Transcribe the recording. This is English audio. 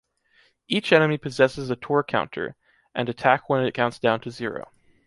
Each enemy possesses a tour counter, and attack when it counts down to zero.